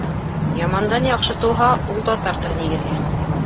Ямандан яҡшы тыуһа, ул да тартыр нигеҙгә.